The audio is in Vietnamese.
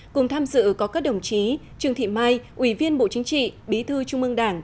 cùng tham dự có các đồng chí trương thị mai ủy viên bộ chính trị bí thư trung ương đảng